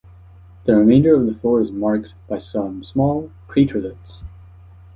The remainder of the floor is marked by some small craterlets.